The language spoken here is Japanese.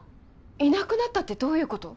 いなくなったってどういうこと？